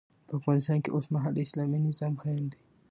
په افغانستان کي اوسمهال اسلامي نظام قايم دی